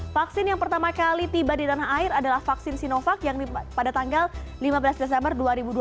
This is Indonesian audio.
vaksin yang pertama kali tiba di tanah air adalah vaksin sinovac yang pada tanggal lima belas desember dua ribu dua puluh